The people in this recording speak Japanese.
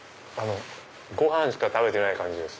ご飯しか食べてない感じです。